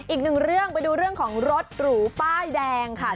อีกหนึ่งเรื่องไปดูเรื่องของรถหรูป้ายแดงค่ะ